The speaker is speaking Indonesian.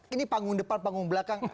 ini panggung depan panggung belakang